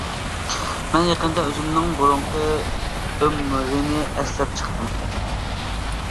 مەن يېقىندا ئۆزۈمنىڭ بۇرۇنقى ئۆمرىنى ئەسلەپ چىقتىم.